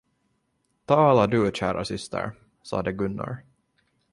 Tala du kära syster, sade Gunnar.